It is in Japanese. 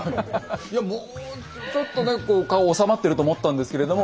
いやもうちょっとねこう顔収まってると思ったんですけれども